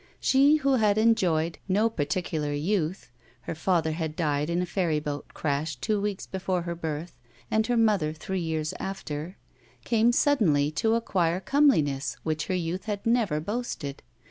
She who had enjoyed no par 193 GUILTY ticular youth (her father had died in a ferryboat crash two weeks before her birth, and her mother three years after) came suddenly to acquire come liness which her youth had never boasted.